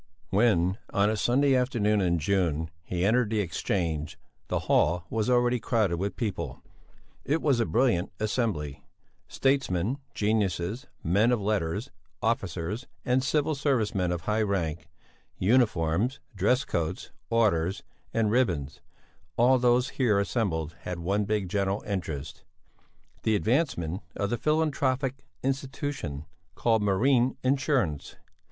When, on a sunny afternoon in June, he entered the Exchange, the hall was already crowded with people. It was a brilliant assembly. Statesmen, geniuses, men of letters, officers, and civil service men of high rank; uniforms, dress coats, orders, and ribbons; all those here assembled had one big general interest! The advancement of the philanthropic institution called marine insurance.